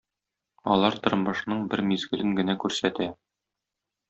Алар тормышның бер мизгелен генә күрсәтә.